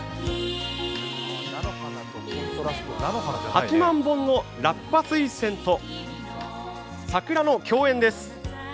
８万本のラッパ水仙と桜の競演です。